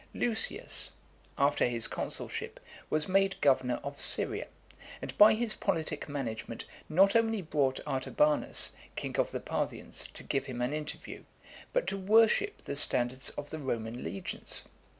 Lucius, after his consulship , was made governor of Syria , and by his politic management not only brought Artabanus, king of the Parthians, to give him an interview, but to worship the standards of the Roman legions.